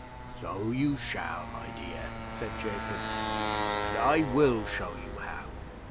"So you shall, my dear," said Jacob, "and I will show you how.